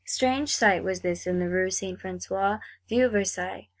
Strange sight was this in the Rue St. François, Vieux Versailles!